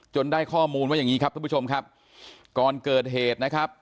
จนได้ข้อมูลว่าอย่างนี้ครับคุณผู้ชมครับกรเกิดเหตุ